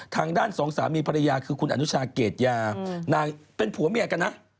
ทางด้านสองสามีภรรยาคือคุณอนุชาเกรดยานางเป็นผัวเมียกันนะ